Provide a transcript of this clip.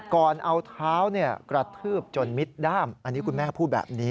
ก่อนเอาเท้ากระทืบจนมิดด้ามอันนี้คุณแม่พูดแบบนี้